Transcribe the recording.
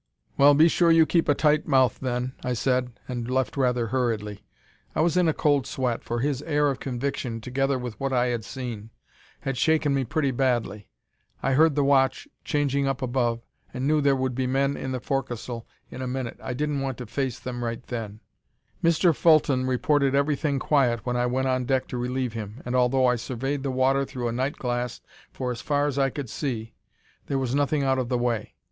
"'Well, be sure you keep a tight mouth then,' I said, and left rather hurriedly. I was in a cold sweat, for his air of conviction, together with what I had seen, had shaken me pretty badly. I heard the watch changing up above, and knew there would be men in the forecastle in a minute. I didn't want to face them right then. "Mr. Fulton reported everything quiet when I went on deck to relieve him, and although I surveyed the water through a night glass for as far as I could see, there was nothing out of the way.